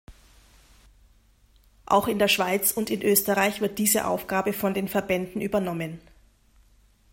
Auch in der Schweiz und in Österreich wird diese Aufgabe von den Verbänden übernommen.